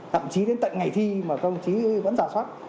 thậm chí đến tận ngày thi mà công chí vẫn giả soát